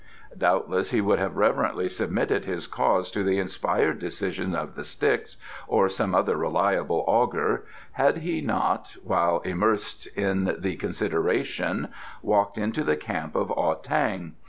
Doubtless he would have reverently submitted his cause to the inspired decision of the Sticks, or some other reliable augur, had he not, while immersed in the consideration, walked into the camp of Ah tang.